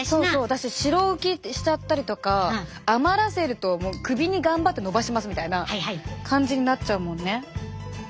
私白浮きしちゃったりとか余らせると首に頑張ってのばしますみたいな感じになっちゃうもんね。